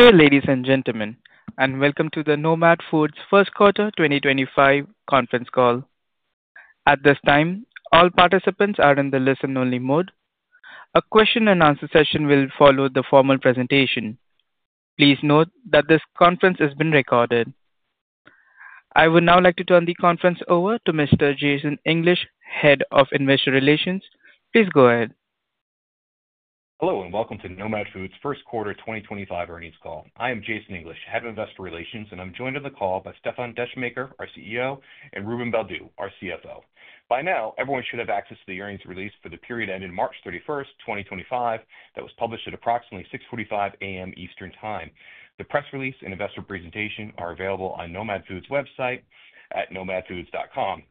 Dear ladies and gentlemen, and welcome to the Nomad Foods First Quarter 2025 Conference Call. At this time, all participants are in the listen-only mode. A question-and-answer session will follow the formal presentation. Please note that this conference is being recorded. I would now like to turn the conference over to Mr. Jason English, Head of Investor Relations. Please go ahead. Hello, and welcome to Nomad Foods First Quarter 2025 Earnings Call. I am Jason English, Head of Investor Relations, and I'm joined on the call by Stéfan Descheemaeker, our CEO, and Ruben Baldew, our CFO. By now, everyone should have access to the earnings release for the period ending March 31, 2025, that was published at approximately 6:45 A.M. Eastern Time. The press release and investor presentation are available on Nomad Foods' website at nomadfoods.com.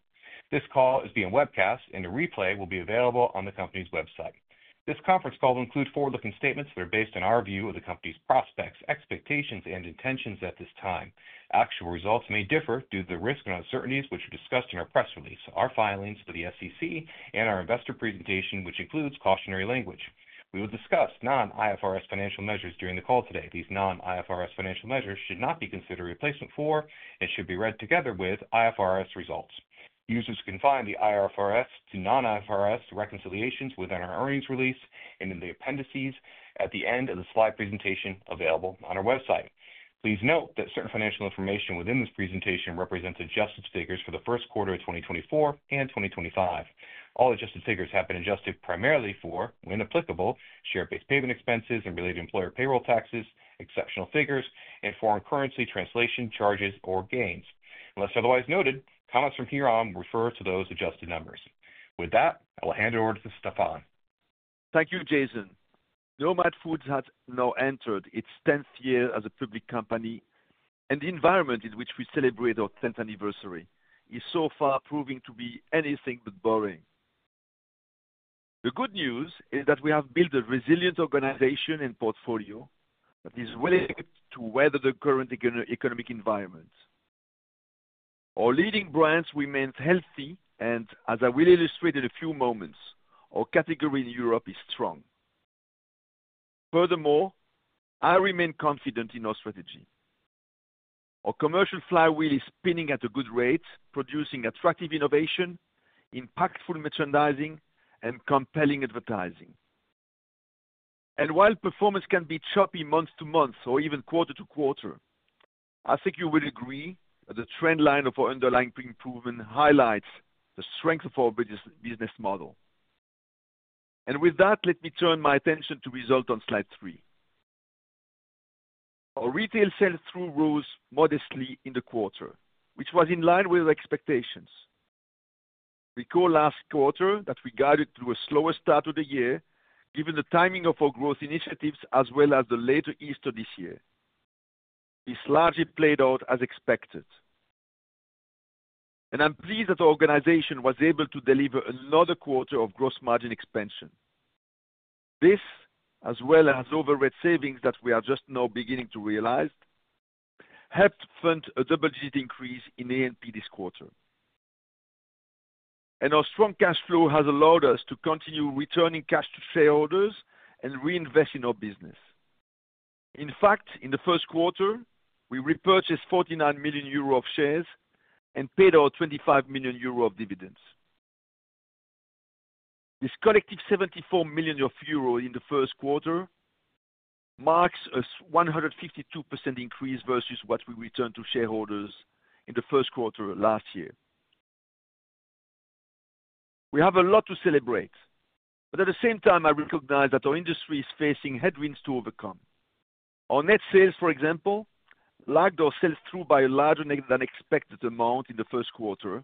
This call is being webcast, and a replay will be available on the company's website. This conference call will include forward-looking statements that are based on our view of the company's prospects, expectations, and intentions at this time. Actual results may differ due to the risk and uncertainties which are discussed in our press release, our filings to the SEC, and our investor presentation, which includes cautionary language. We will discuss non-IFRS financial measures during the call today. These non-IFRS financial measures should not be considered a replacement for and should be read together with IFRS results. Users can find the IFRS to non-IFRS reconciliations within our earnings release and in the appendices at the end of the slide presentation available on our website. Please note that certain financial information within this presentation represents adjusted figures for the first quarter of 2024 and 2025. All adjusted figures have been adjusted primarily for, when applicable, share-based payment expenses and related employer payroll taxes, exceptional figures, and foreign currency translation charges or gains. Unless otherwise noted, comments from here on will refer to those adjusted numbers. With that, I will hand it over to Stéfan. Thank you, Jason. Nomad Foods has now entered its 10th year as a public company, and the environment in which we celebrate our 10th anniversary is so far proving to be anything but boring. The good news is that we have built a resilient organization and portfolio that is willing to weather the current economic environment. Our leading brands remain healthy, and, as I will illustrate in a few moments, our category in Europe is strong. Furthermore, I remain confident in our strategy. Our commercial flywheel is spinning at a good rate, producing attractive innovation, impactful merchandising, and compelling advertising. While performance can be choppy month to month or even quarter to quarter, I think you will agree that the trend line of our underlying improvement highlights the strength of our business model. With that, let me turn my attention to results on slide three. Our retail sell-through rose modestly in the quarter, which was in line with our expectations. Recall last quarter that we guided through a slower start of the year, given the timing of our growth initiatives as well as the later Easter this year. This largely played out as expected. I am pleased that our organization was able to deliver another quarter of gross margin expansion. This, as well as overhead savings that we are just now beginning to realize, helped fund a double-digit increase in A&P this quarter. Our strong cash flow has allowed us to continue returning cash to shareholders and reinvest in our business. In fact, in the first quarter, we repurchased 49 million euro of shares and paid our 25 million euro of dividends. This collective 74 million euro in the first quarter marks a 152% increase versus what we returned to shareholders in the first quarter last year. We have a lot to celebrate, but at the same time, I recognize that our industry is facing headwinds to overcome. Our net sales, for example, lagged our sell-through by a larger than expected amount in the first quarter,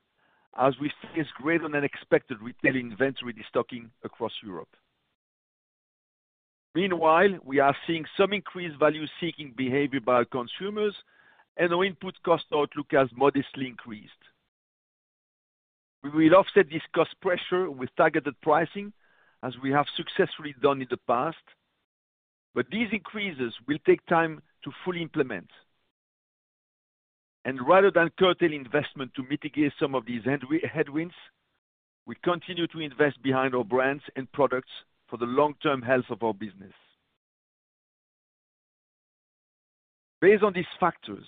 as we faced greater than expected retail inventory destocking across Europe. Meanwhile, we are seeing some increased value-seeking behavior by consumers, and our input cost outlook has modestly increased. We will offset this cost pressure with targeted pricing, as we have successfully done in the past, but these increases will take time to fully implement. Rather than curtail investment to mitigate some of these headwinds, we continue to invest behind our brands and products for the long-term health of our business. Based on these factors,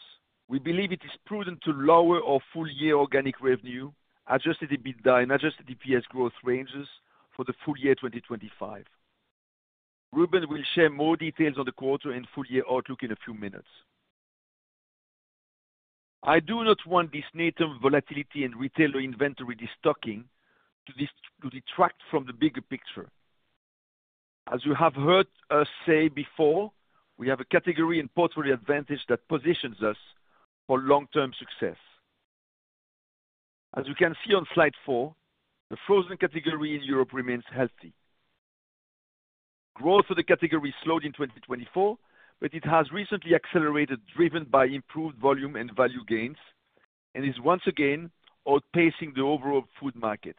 we believe it is prudent to lower our full-year organic revenue, adjusted EBITDA, and adjusted EPS growth ranges for the full year 2025. Ruben will share more details on the quarter and full-year outlook in a few minutes. I do not want this near-term volatility in retail inventory destocking to detract from the bigger picture. As you have heard us say before, we have a category and portfolio advantage that positions us for long-term success. As you can see on slide four, the frozen category in Europe remains healthy. Growth of the category slowed in 2024, but it has recently accelerated driven by improved volume and value gains, and is once again outpacing the overall food market.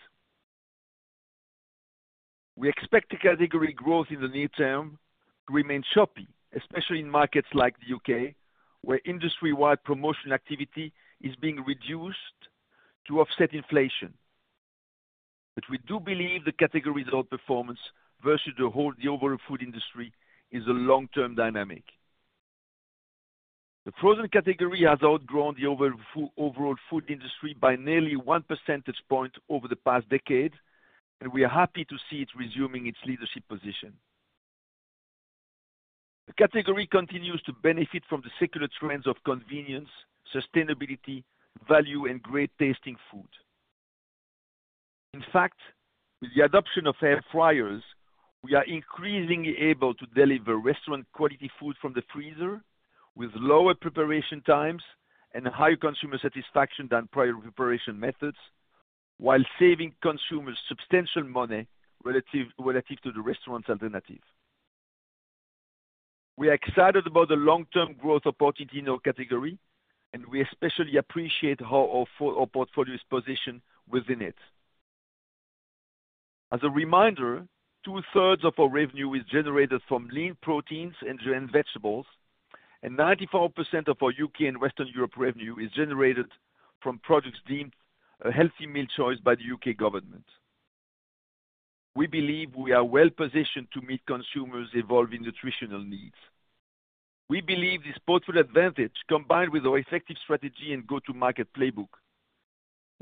We expect the category growth in the near term to remain choppy, especially in markets like the U.K., where industry-wide promotion activity is being reduced to offset inflation. We do believe the category's outperformance versus the overall food industry is a long-term dynamic. The frozen category has outgrown the overall food industry by nearly one percentage point over the past decade, and we are happy to see it resuming its leadership position. The category continues to benefit from the circular trends of convenience, sustainability, value, and great tasting food. In fact, with the adoption of air fryers, we are increasingly able to deliver restaurant-quality food from the freezer with lower preparation times and higher consumer satisfaction than prior preparation methods, while saving consumers substantial money relative to the restaurant's alternative. We are excited about the long-term growth opportunity in our category, and we especially appreciate how our portfolio is positioned within it. As a reminder, two-thirds of our revenue is generated from lean proteins and vegetables, and 94% of our U.K. and Western Europe revenue is generated from products deemed a healthy meal choice by the U.K. government. We believe we are well-positioned to meet consumers' evolving nutritional needs. We believe this portfolio advantage, combined with our effective strategy and go-to-market playbook,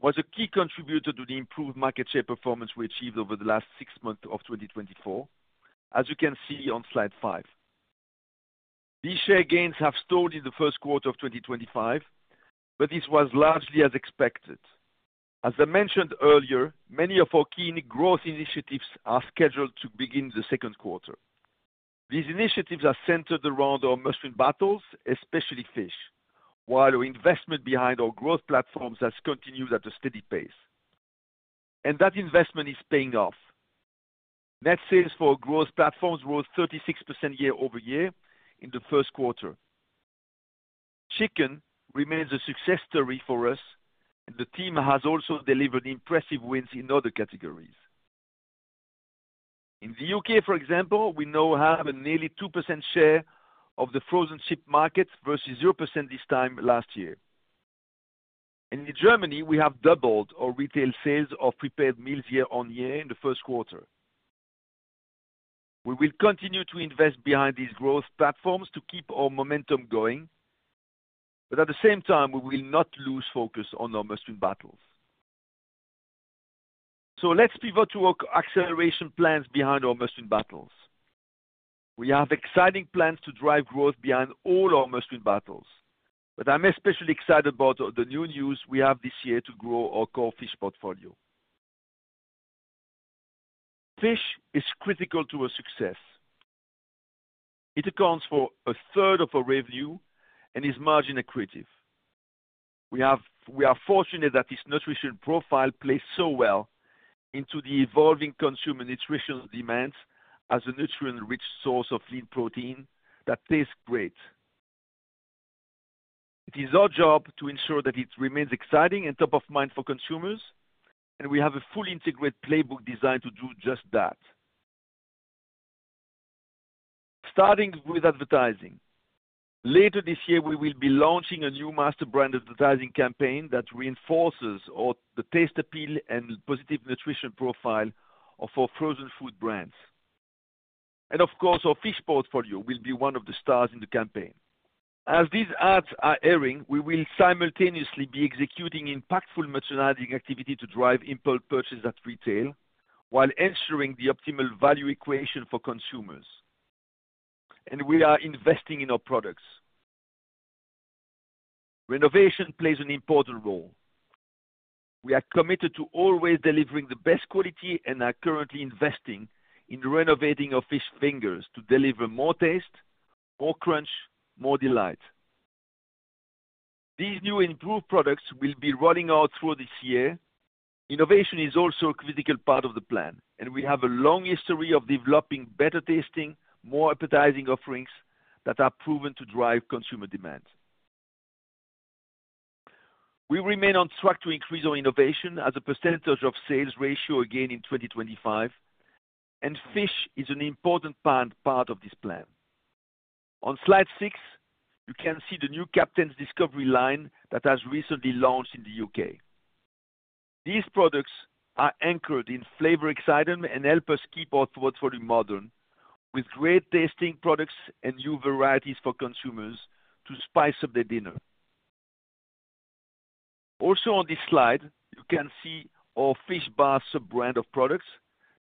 was a key contributor to the improved market share performance we achieved over the last six months of 2024, as you can see on slide five. These share gains have stalled in the first quarter of 2025, but this was largely as expected. As I mentioned earlier, many of our key growth initiatives are scheduled to begin the second quarter. These initiatives are centered around our mushroom battles, especially fish, while our investment behind our growth platforms has continued at a steady pace. That investment is paying off. Net sales for our growth platforms rose 36% year over year in the first quarter. Chicken remains a success story for us, and the team has also delivered impressive wins in other categories. In the U.K., for example, we now have a nearly 2% share of the frozen chip market versus 0% this time last year. In Germany, we have doubled our retail sales of prepared meals year on year in the first quarter. We will continue to invest behind these growth platforms to keep our momentum going, but at the same time, we will not lose focus on our mushroom battles. Let's pivot to our acceleration plans behind our mushroom battles. We have exciting plans to drive growth behind all our mushroom battles, but I'm especially excited about the new news we have this year to grow our core fish portfolio. Fish is critical to our success. It accounts for a third of our revenue and is margin accretive. We are fortunate that its nutrition profile plays so well into the evolving consumer nutritional demands as a nutrient-rich source of lean protein that tastes great. It is our job to ensure that it remains exciting and top of mind for consumers, and we have a fully integrated playbook designed to do just that. Starting with advertising, later this year, we will be launching a new master brand advertising campaign that reinforces the taste appeal and positive nutrition profile of our frozen food brands. Our fish portfolio will be one of the stars in the campaign. As these ads are airing, we will simultaneously be executing impactful merchandising activity to drive impulse purchases at retail while ensuring the optimal value equation for consumers. We are investing in our products. Renovation plays an important role. We are committed to always delivering the best quality and are currently investing in renovating our fish fingers to deliver more taste, more crunch, more delight. These new and improved products will be rolling out throughout this year. Innovation is also a critical part of the plan, and we have a long history of developing better tasting, more appetizing offerings that are proven to drive consumer demand. We remain on track to increase our innovation as a percentage of sales ratio again in 2025, and fish is an important part of this plan. On slide six, you can see the new Captain's Discovery line that has recently launched in the U.K. These products are anchored in flavor excitement and help us keep our portfolio modern with great tasting products and new varieties for consumers to spice up their dinner. Also on this slide, you can see our Fish Bar sub-brand of products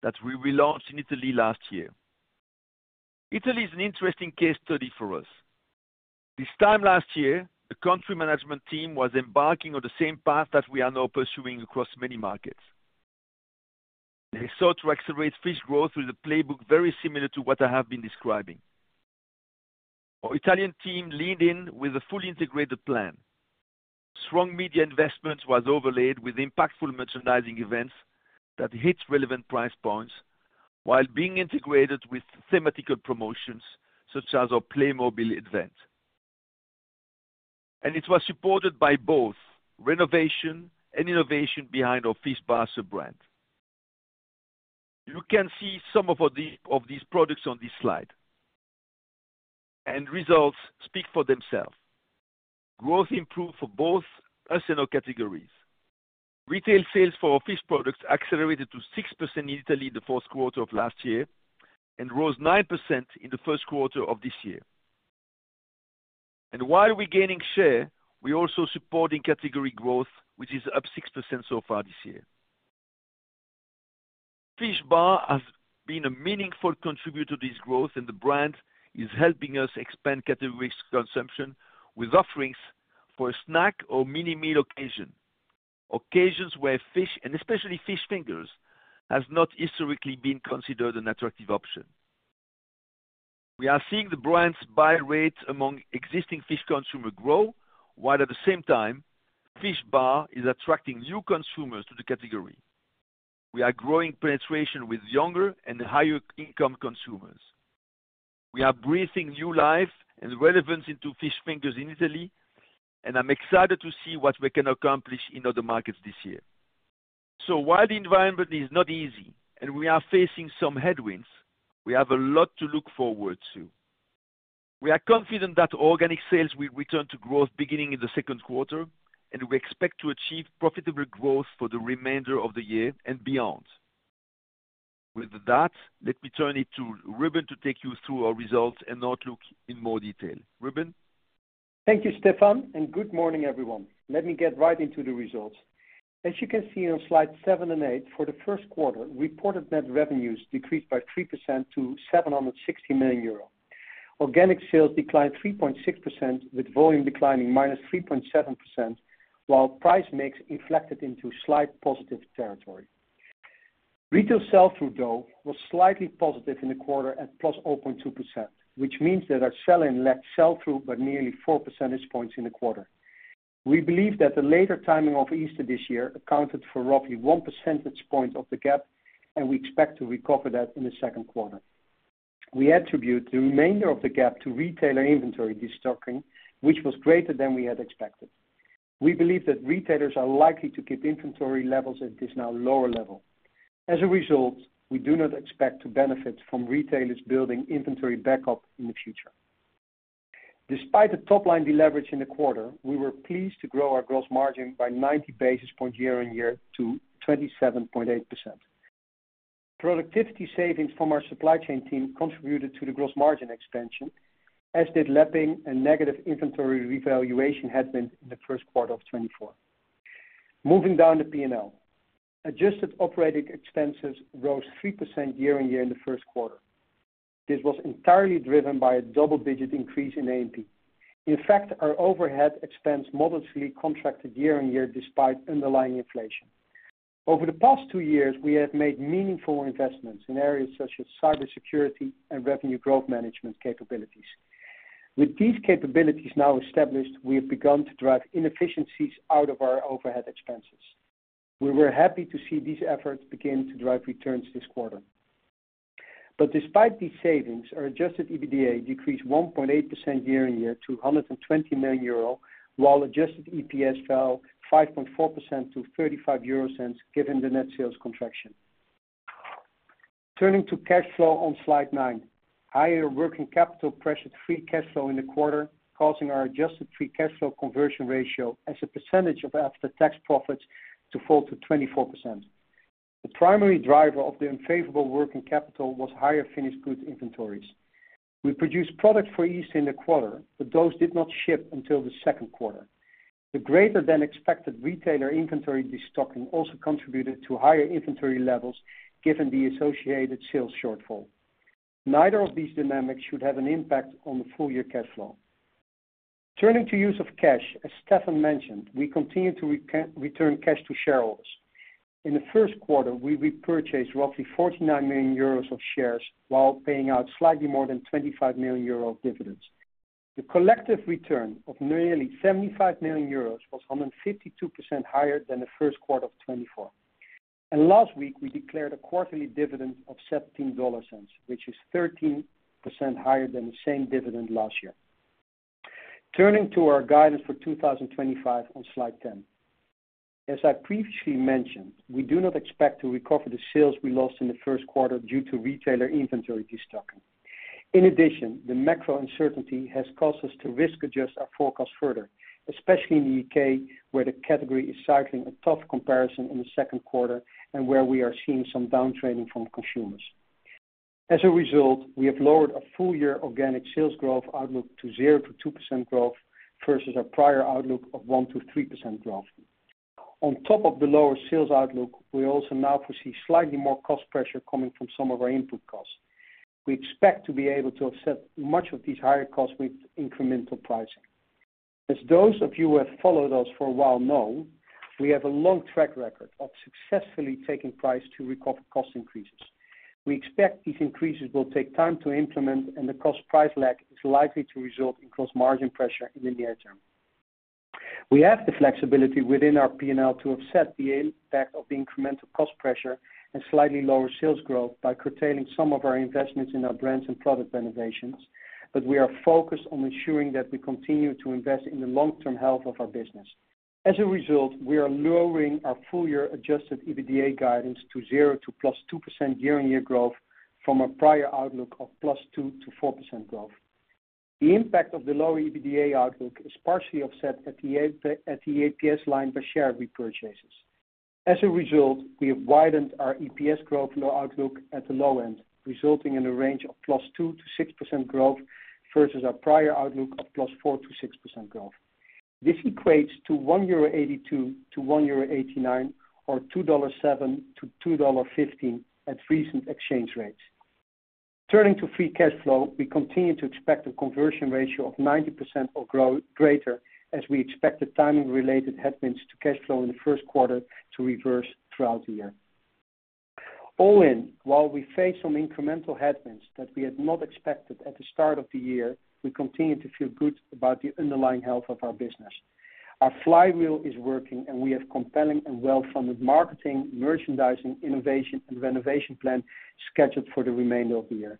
that we relaunched in Italy last year. Italy is an interesting case study for us. This time last year, the country management team was embarking on the same path that we are now pursuing across many markets. They sought to accelerate fish growth through the playbook very similar to what I have been describing. Our Italian team leaned in with a fully integrated plan. Strong media investment was overlaid with impactful merchandising events that hit relevant price points while being integrated with thematical promotions such as our Playmobil event. It was supported by both renovation and innovation behind our Fish Bar sub-brand. You can see some of these products on this slide. The results speak for themselves. Growth improved for both us and our categories. Retail sales for our fish products accelerated to 6% in Italy in the first quarter of last year and rose 9% in the first quarter of this year. While we're gaining share, we're also supporting category growth, which is up 6% so far this year. Fish Bar has been a meaningful contributor to this growth, and the brand is helping us expand categories of consumption with offerings for a snack or mini meal occasion, occasions where fish, and especially fish fingers, have not historically been considered an attractive option. We are seeing the brand's buy rate among existing fish consumers grow, while at the same time, Fish Bar is attracting new consumers to the category. We are growing penetration with younger and higher-income consumers. We are breathing new life and relevance into fish fingers in Italy, and I'm excited to see what we can accomplish in other markets this year. While the environment is not easy and we are facing some headwinds, we have a lot to look forward to. We are confident that organic sales will return to growth beginning in the second quarter, and we expect to achieve profitable growth for the remainder of the year and beyond. With that, let me turn it to Ruben to take you through our results and outlook in more detail. Ruben? Thank you, Stéfan, and good morning, everyone. Let me get right into the results. As you can see on slides seven and eight, for the first quarter, reported net revenues decreased by 3% to 760 million euro. Organic sales declined 3.6%, with volume declining minus 3.7%, while price mix inflected into slight positive territory. Retail sell-through, though, was slightly positive in the quarter at +0.2%, which means that our sell-in led sell-through by nearly 4 percentage points in the quarter. We believe that the later timing of Easter this year accounted for roughly 1 percentage point of the gap, and we expect to recover that in the second quarter. We attribute the remainder of the gap to retailer inventory destocking, which was greater than we had expected. We believe that retailers are likely to keep inventory levels at this now lower level. As a result, we do not expect to benefit from retailers building inventory backup in the future. Despite the top-line deleverage in the quarter, we were pleased to grow our gross margin by 90 basis points year on year to 27.8%. Productivity savings from our supply chain team contributed to the gross margin expansion, as did lapping and negative inventory revaluation headwinds in the first quarter of 2024. Moving down the P&L, adjusted operating expenses rose 3% year on year in the first quarter. This was entirely driven by a double-digit increase in A&P. In fact, our overhead expense modestly contracted year on year despite underlying inflation. Over the past two years, we have made meaningful investments in areas such as cybersecurity and revenue growth management capabilities. With these capabilities now established, we have begun to drive inefficiencies out of our overhead expenses. We were happy to see these efforts begin to drive returns this quarter. Despite these savings, our adjusted EBITDA decreased 1.8% year on year to 120 million euro, while adjusted EPS fell 5.4% to 0.35 given the net sales contraction. Turning to cash flow on slide nine, higher working capital pressured free cash flow in the quarter, causing our adjusted free cash flow conversion ratio as a percentage of after-tax profits to fall to 24%. The primary driver of the unfavorable working capital was higher finished goods inventories. We produced product for Easter in the quarter, but those did not ship until the second quarter. The greater-than-expected retailer inventory destocking also contributed to higher inventory levels given the associated sales shortfall. Neither of these dynamics should have an impact on the full-year cash flow. Turning to use of cash, as Stéfan mentioned, we continue to return cash to shareholders. In the first quarter, we repurchased roughly 49 million euros of shares while paying out slightly more than 25 million euro of dividends. The collective return of nearly 75 million euros was 152% higher than the first quarter of 2024. Last week, we declared a quarterly dividend of $17, which is 13% higher than the same dividend last year. Turning to our guidance for 2025 on slide 10, as I previously mentioned, we do not expect to recover the sales we lost in the first quarter due to retailer inventory destocking. In addition, the macro uncertainty has caused us to risk-adjust our forecast further, especially in the U.K., where the category is cycling a tough comparison in the second quarter and where we are seeing some downtrending from consumers. As a result, we have lowered our full-year organic sales growth outlook to 0-2% growth versus our prior outlook of 1-3% growth. On top of the lower sales outlook, we also now foresee slightly more cost pressure coming from some of our input costs. We expect to be able to offset much of these higher costs with incremental pricing. As those of you who have followed us for a while know, we have a long track record of successfully taking price to recover cost increases. We expect these increases will take time to implement, and the cost-price lag is likely to result in gross margin pressure in the near term. We have the flexibility within our P&L to offset the impact of the incremental cost pressure and slightly lower sales growth by curtailing some of our investments in our brands and product renovations, but we are focused on ensuring that we continue to invest in the long-term health of our business. As a result, we are lowering our full-year adjusted EBITDA guidance to 0-2% year-on-year growth from our prior outlook of 2-4% growth. The impact of the lower EBITDA outlook is partially offset at the EPS line by share repurchases. As a result, we have widened our EPS growth outlook at the low end, resulting in a range of +2%-6% growth versus our prior outlook of +4%-6% growth. This equates to EUR 1.82-EUR 1.89 or $2.07-$2.15 at recent exchange rates. Turning to free cash flow, we continue to expect a conversion ratio of 90% or greater as we expect the timing-related headwinds to cash flow in the first quarter to reverse throughout the year. All in, while we face some incremental headwinds that we had not expected at the start of the year, we continue to feel good about the underlying health of our business. Our flywheel is working, and we have compelling and well-funded marketing, merchandising, innovation, and renovation plan scheduled for the remainder of the year.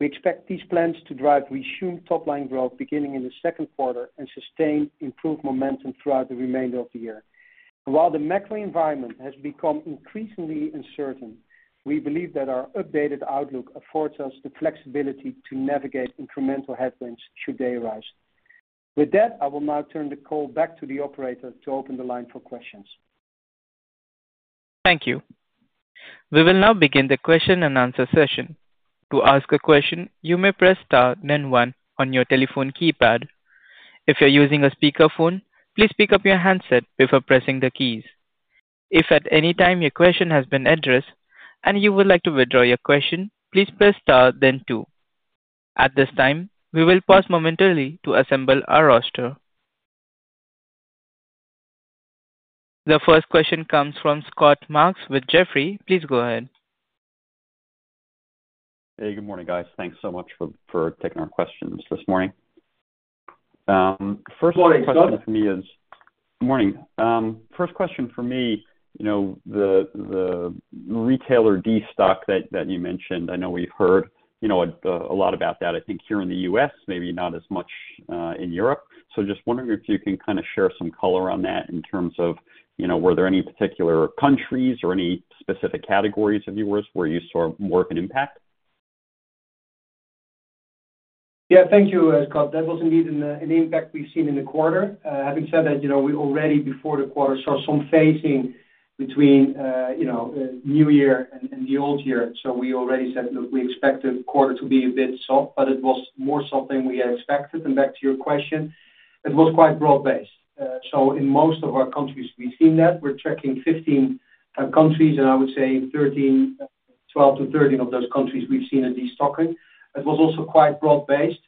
We expect these plans to drive resumed top-line growth beginning in the second quarter and sustain improved momentum throughout the remainder of the year. While the macro environment has become increasingly uncertain, we believe that our updated outlook affords us the flexibility to navigate incremental headwinds should they arise. With that, I will now turn the call back to the operator to open the line for questions. Thank you. We will now begin the question and answer session. To ask a question, you may press star then one on your telephone keypad. If you're using a speakerphone, please pick up your handset before pressing the keys. If at any time your question has been addressed and you would like to withdraw your question, please press star then two. At this time, we will pause momentarily to assemble our roster. The first question comes from Scott Marks with Jefferies. Please go ahead. Hey, good morning, guys. Thanks so much for taking our questions this morning. First question for me is good morning. First question for me, the retailer destock that you mentioned, I know we've heard a lot about that, I think, here in the U.S., maybe not as much in Europe. Just wondering if you can kind of share some color on that in terms of, were there any particular countries or any specific categories of yours where you saw more of an impact? Yeah, thank you, Scott. That was indeed an impact we've seen in the quarter. Having said that, we already, before the quarter, saw some phasing between New Year and the old year. We already said, "Look, we expect the quarter to be a bit soft," but it was more so than we had expected. Back to your question, it was quite broad-based. In most of our countries, we've seen that. We're tracking 15 countries, and I would say 12-13 of those countries we've seen a destocking. It was also quite broad-based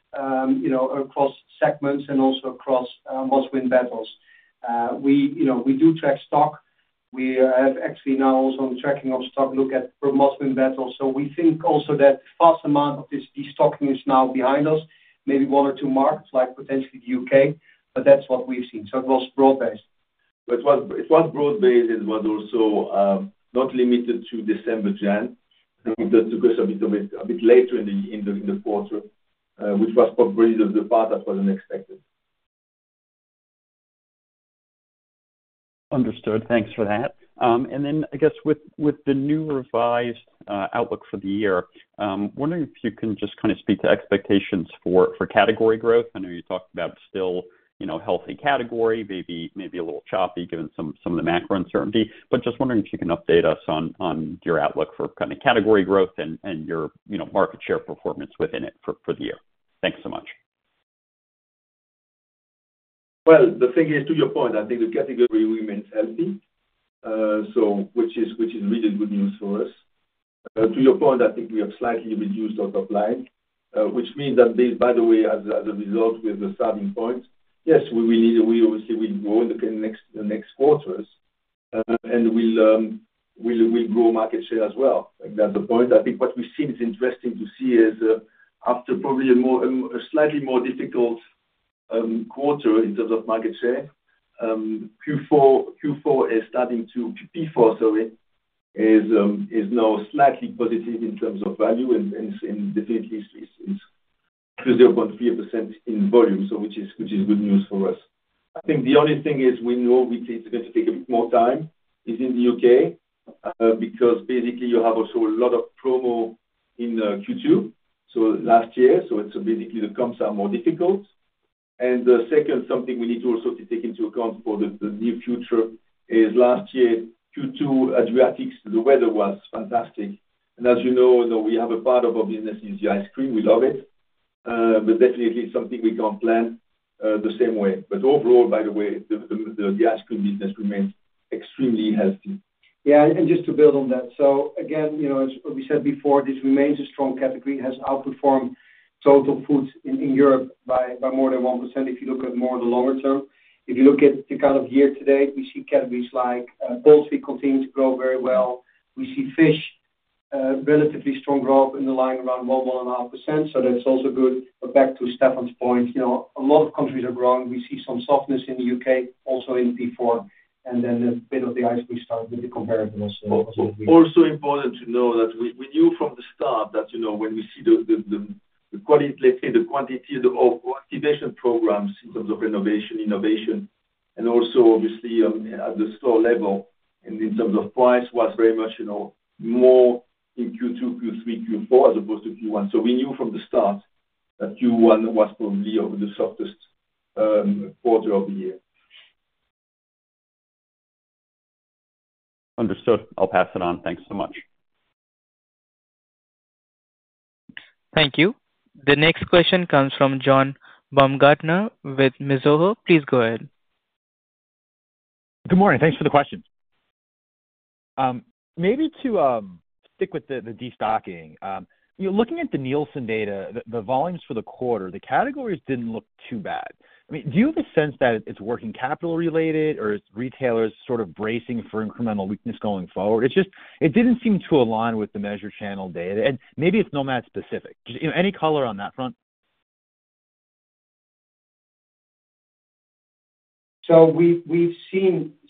across segments and also across Muslim battles. We do track stock. We have actually now also been tracking our stock look at Muslim battles. We think also that the vast amount of this destocking is now behind us, maybe one or two markets like potentially the U.K., but that's what we've seen. It was broad-based. It was broad-based. It was also not limited to December, January. It took us a bit later in the quarter, which was probably the part that was unexpected. Understood. Thanks for that. I guess, with the new revised outlook for the year, I'm wondering if you can just kind of speak to expectations for category growth. I know you talked about still healthy category, maybe a little choppy given some of the macro uncertainty, but just wondering if you can update us on your outlook for kind of category growth and your market share performance within it for the year. Thanks so much. The thing is, to your point, I think the category remains healthy, which is really good news for us. To your point, I think we have slightly reduced our top line, which means that, by the way, as a result, with the starting point, yes, we will obviously grow in the next quarters, and we will grow market share as well. That is the point. I think what we have seen is interesting to see is after probably a slightly more difficult quarter in terms of market share, Q4 is starting to, P4, sorry, is now slightly positive in terms of value and definitely is 0.3% in volume, which is good news for us. I think the only thing is we know it is going to take a bit more time is in the U.K. because basically you have also a lot of promo in Q2, so last year. Basically the comps are more difficult. The second thing we need to also take into account for the near future is last year Q2 Adriatics, the weather was fantastic. As you know, we have a part of our business that is the ice cream. We love it, but definitely it is something we cannot plan the same way. Overall, by the way, the ice cream business remains extremely healthy. Yeah. Just to build on that, as we said before, this remains a strong category. It has outperformed total foods in Europe by more than 1% if you look at more of the longer term. If you look at the kind of year to date, we see categories like poultry continue to grow very well. We see fish, relatively strong growth in the line around 1-1.5%. That is also good. Back to Stefan's point, a lot of countries are growing. We see some softness in the U.K., also in P4, and then a bit of the ice cream start with the comparative. Also important to know that we knew from the start that when we see the, let's say, the quantity of activation programs in terms of renovation, innovation, and also obviously at the store level and in terms of price was very much more in Q2, Q3, Q4 as opposed to Q1. So we knew from the start that Q1 was probably the softest quarter of the year. Understood. I'll pass it on. Thanks so much. Thank you. The next question comes from John Baumgartner with Mizuho. Please go ahead. Good morning. Thanks for the question. Maybe to stick with the destocking, looking at the Nielsen data, the volumes for the quarter, the categories didn't look too bad. I mean, do you have a sense that it's working capital-related or is retailers sort of bracing for incremental weakness going forward? It didn't seem to align with the measured channel data. Maybe it's Nomad specific. Any color on that front?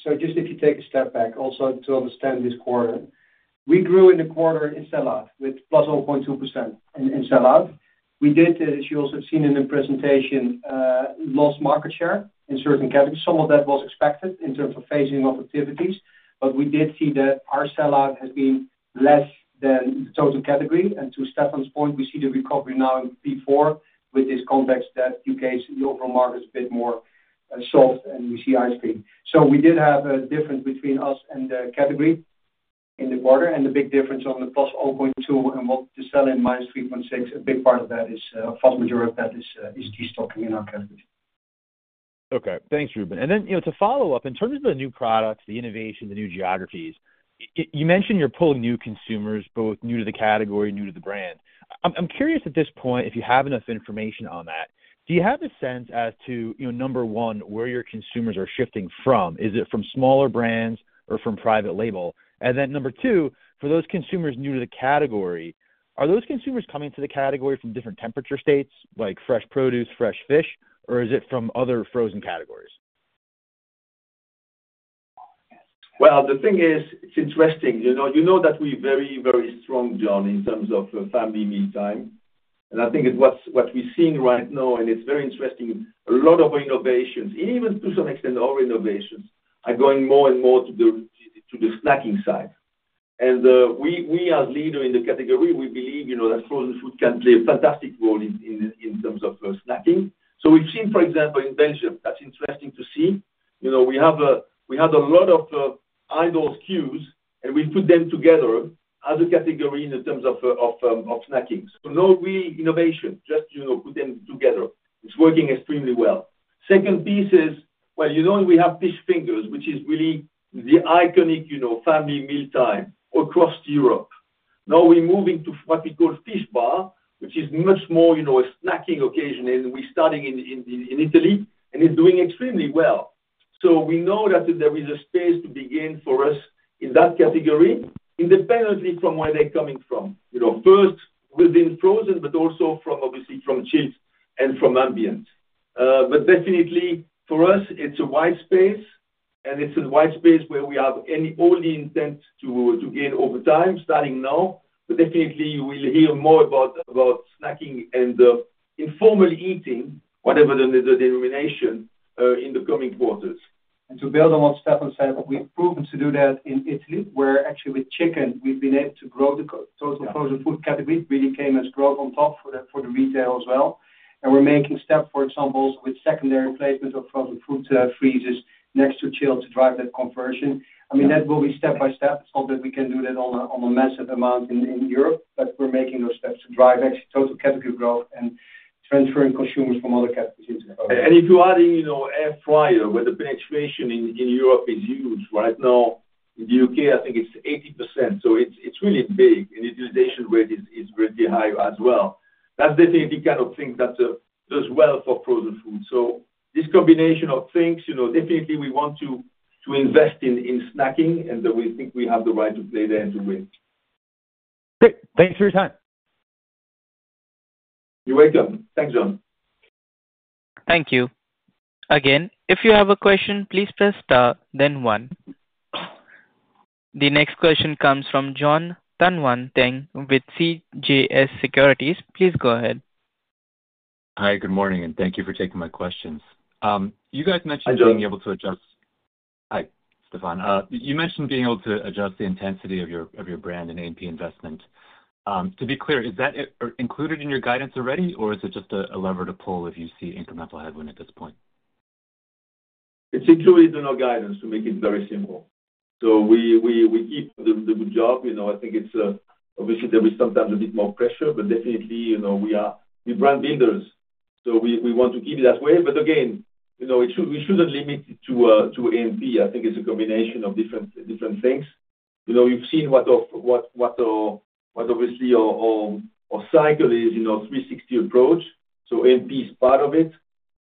If you take a step back also to understand this quarter, we grew in the quarter in sellout with plus 0.2% in sellout. We did, as you also have seen in the presentation, lose market share in certain categories. Some of that was expected in terms of phasing of activities, but we did see that our sellout has been less than the total category. To Stéfan's point, we see the recovery now in P4 with this context that the U.K.'s overall market is a bit more soft and we see ice cream. We did have a difference between us and the category in the quarter, and the big difference on the plus 0.2 and what to sell in minus 3.6. A big part of that, a vast majority of that, is destocking in our category. Okay. Thanks, Ruben. To follow up, in terms of the new products, the innovation, the new geographies, you mentioned you're pulling new consumers, both new to the category, new to the brand. I'm curious at this point, if you have enough information on that, do you have a sense as to, number one, where your consumers are shifting from? Is it from smaller brands or from private label? Number two, for those consumers new to the category, are those consumers coming to the category from different temperature states like fresh produce, fresh fish, or is it from other frozen categories? The thing is, it's interesting. You know that we're very, very strong, John, in terms of family mealtime. I think what we're seeing right now, and it's very interesting, a lot of innovations, even to some extent our innovations, are going more and more to the snacking side. We as leaders in the category, we believe that frozen food can play a fantastic role in terms of snacking. We've seen, for example, in Belgium, that's interesting to see. We had a lot of idle SKUs, and we put them together as a category in terms of snacking. No real innovation, just put them together. It's working extremely well. Second piece is, you know we have fish fingers, which is really the iconic family mealtime across Europe. Now we're moving to what we call Fish Bar, which is much more a snacking occasion, and we're starting in Italy, and it's doing extremely well. We know that there is a space to begin for us in that category, independently from where they're coming from. First, within frozen, but also obviously from chips and from ambient. Definitely for us, it's a white space, and it's a white space where we have only intent to gain over time starting now. We will hear more about snacking and informal eating, whatever the denomination, in the coming quarters. To build on what Stéfan said, we've proven to do that in Italy, where actually with chicken, we've been able to grow the total frozen food category. It really came as growth on top for the retail as well. We're making steps, for example, with secondary placement of frozen food freezers next to chill to drive that conversion. I mean, that will be step by step. It's not that we can do that on a massive amount in Europe, but we're making those steps to drive actual total category growth and transferring consumers from other categories into that. If you're adding air fryer, where the penetration in Europe is huge right now. In the U.K., I think it's 80%. It's really big, and utilization rate is really high as well. That's definitely kind of things that does well for frozen food. This combination of things, definitely we want to invest in snacking, and we think we have the right to play there and to win. Great. Thanks for your time. You're welcome. Thanks, John. Thank you. Again, if you have a question, please press star, then one. The next question comes from Jonathan Tanwanteng with CJS Securities. Please go ahead. Hi, good morning, and thank you for taking my questions. You guys mentioned being able to adjust. Hi, Stéfan. You mentioned being able to adjust the intensity of your brand and A&P investment. To be clear, is that included in your guidance already, or is it just a lever to pull if you see incremental headwind at this point? It is a two-regional guidance to make it very simple. We keep the good job. I think obviously there is sometimes a bit more pressure, but definitely we are brand builders, so we want to keep it that way. Again, we should not limit it to A&P. I think it is a combination of different things. You have seen what obviously our cycle is, 360 approach. A&P is part of it,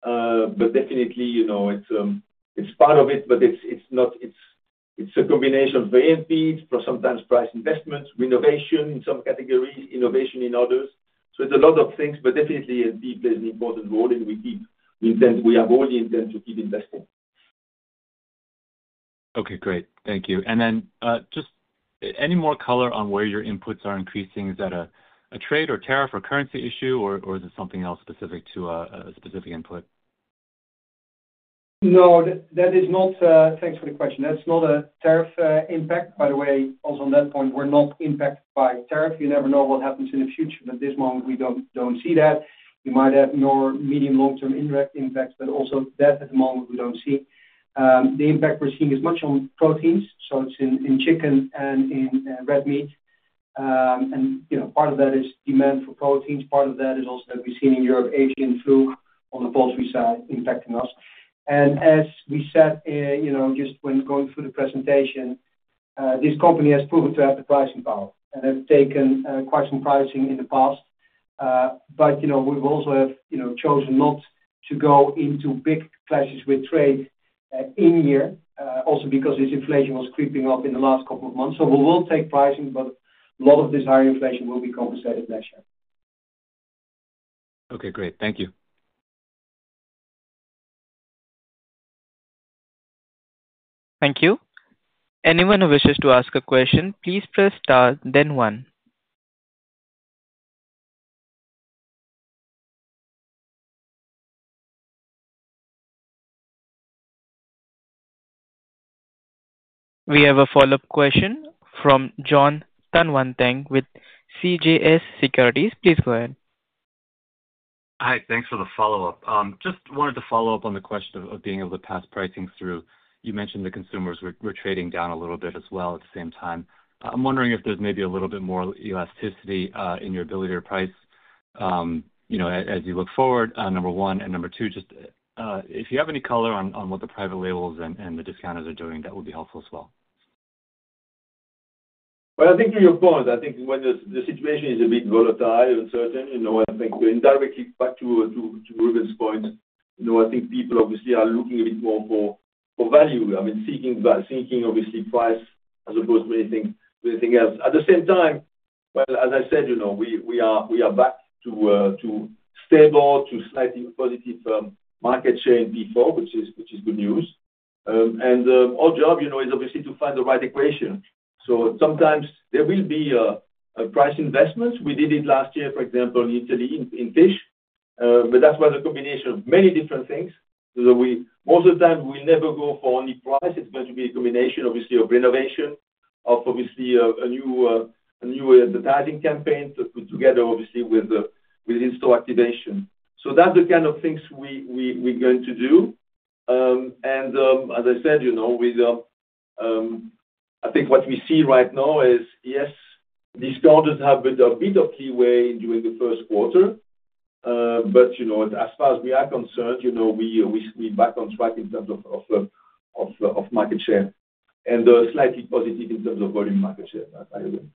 but definitely it's part of it, but it's a combination for A&P, for sometimes price investments, renovation in some categories, innovation in others. It's a lot of things, but definitely A&P plays an important role, and we have all the intent to keep investing. Okay, great. Thank you. Any more color on where your inputs are increasing? Is that a trade or tariff or currency issue, or is it something else specific to a specific input? No, that is not, thanks for the question. That's not a tariff impact. By the way, also on that point, we're not impacted by tariff. You never know what happens in the future, but at this moment, we don't see that. We might have more medium-long-term indirect impacts, but also that at the moment, we don't see. The impact we're seeing is much on proteins, so it's in chicken and in red meat. Part of that is demand for proteins. Part of that is also that we've seen in Europe, Asian flu on the poultry side impacting us. As we said, just when going through the presentation, this company has proven to have the pricing power and have taken quite some pricing in the past. We've also chosen not to go into big clashes with trade in year also because inflation was creeping up in the last couple of months. We will take pricing, but a lot of this higher inflation will be compensated next year. Okay, great. Thank you. Thank you. Anyone who wishes to ask a question, please press star, then one. We have a follow-up question from Jonathan Tanwanteng with CJS Securities. Please go ahead. Hi, thanks for the follow-up. Just wanted to follow up on the question of being able to pass pricing through. You mentioned the consumers were trading down a little bit as well at the same time. I'm wondering if there's maybe a little bit more elasticity in your ability to price as you look forward, number one. And number two, just if you have any color on what the private labels and the discounters are doing, that would be helpful as well. I think to your point, I think when the situation is a bit volatile and certain, I think going directly back to Ruben's point, I think people obviously are looking a bit more for value. I mean, seeking obviously price as opposed to anything else. At the same time, as I said, we are back to stable, to slightly positive market share in P4, which is good news. Our job is obviously to find the right equation. Sometimes there will be price investments. We did it last year, for example, in Italy in fish, but that was a combination of many different things. Most of the time, we'll never go for only price. It's going to be a combination obviously of renovation, of obviously a new advertising campaign put together obviously with in-store activation. That's the kind of things we're going to do. As I said, I think what we see right now is, yes, discounters have a bit of leeway during the first quarter, but as far as we are concerned, we're back on track in terms of market share and slightly positive in terms of volume market share, I would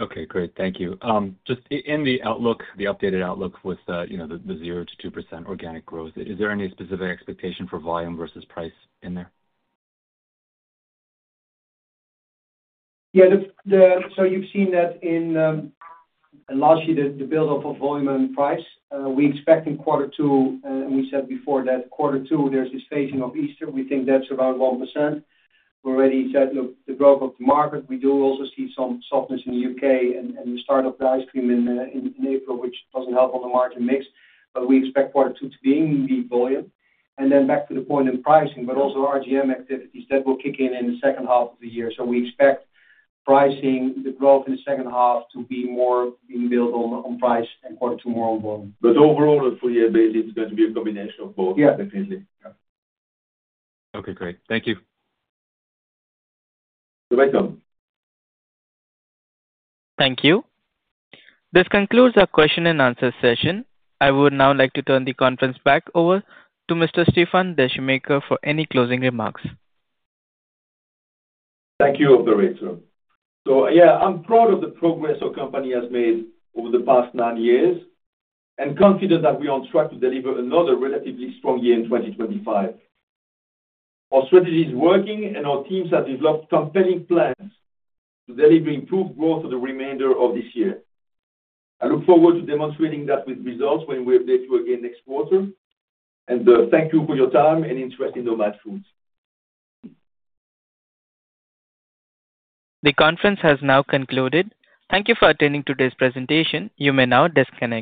say. Okay, great. Thank you. Just in the outlook, the updated outlook with the 0-2% organic growth, is there any specific expectation for volume versus price in there? Yeah. You have seen that in largely the buildup of volume and price. We expect in quarter two, and we said before that quarter two, there is this phasing of Easter. We think that is around 1%. We already said, look, the growth of the market. We do also see some softness in the U.K. and the start of the ice cream in April, which does not help on the margin mix. We expect quarter two to be in the volume. Then back to the point in pricing, but also RGM activities that will kick in in the second half of the year. We expect pricing, the growth in the second half to be more being built on price and quarter two more on volume. Overall, for year base, it's going to be a combination of both, definitely. Yeah. Okay, great. Thank you. You're welcome. Thank you. This concludes our question and answer session. I would now like to turn the conference back over to Mr. Stéfan Descheemaeker for any closing remarks. Thank you, Obdaretu. Yeah, I'm proud of the progress our company has made over the past nine years and confident that we are on track to deliver another relatively strong year in 2025. Our strategy is working, and our teams have developed compelling plans to deliver improved growth for the remainder of this year. I look forward to demonstrating that with results when we are there again next quarter. Thank you for your time and interest in Nomad Foods. The conference has now concluded. Thank you for attending today's presentation. You may now disconnect.